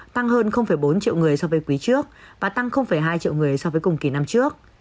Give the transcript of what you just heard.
tăng hơn bốn triệu người so với quý trước và tăng hai triệu người so với cùng kỳ năm trước